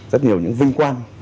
rất nhiều những vinh quang